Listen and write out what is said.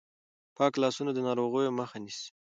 پاک لاسونه د ناروغیو مخه نیسي.